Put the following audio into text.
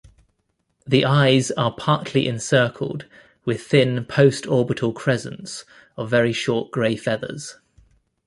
The eyes are partly encircled with thin post-orbital crescents of very short grey feathers.